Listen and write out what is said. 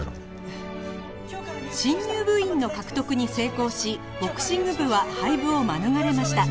新入部員の獲得に成功しボクシング部は廃部を免れました